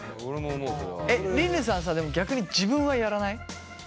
えっりぬさんさでも逆に自分はやらない？